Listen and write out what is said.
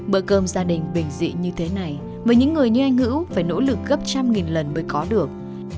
bởi cơm gia đình bình dị như thế này mà những người như anh vũ phải nỗ lực gấp trăm nghìn lần mới có được